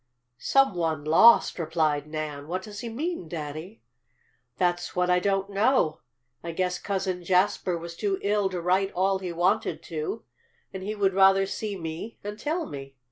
"Some one lost!" replied Nan. "What does he mean, Daddy?" "That's what I don't know. I guess Cousin Jasper was too ill to write all he wanted to, and he would rather see me and tell me.